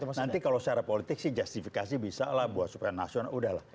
oh iya nanti kalau secara politik sih justifikasi bisa lah buat supranasional udah lah